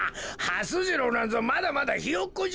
はす次郎なんぞまだまだひよっこじゃ。